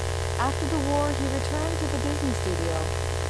After the war, he returned to the Disney Studio.